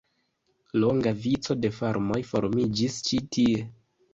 Longa vico da farmoj formiĝis ĉi tie.